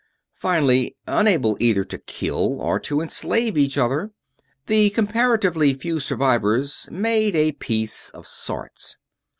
Finally, unable either to kill or to enslave each other, the comparatively few survivors made a peace of sorts.